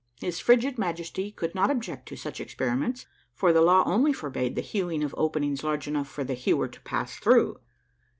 His frigid Majesty could not object to such experiments, for tlie law only forbade the hewing of openings large enough for the hewer to pass through.